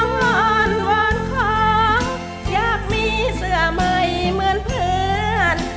นอนวานคออยากมีเสือเมย์เหมือนเพื่อน